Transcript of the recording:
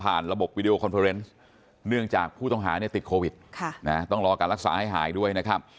ระบบวิดีโอคอนเฟอร์เนสเนื่องจากผู้ต้องหาเนี่ยติดโควิดต้องรอการรักษาให้หายด้วยนะครับ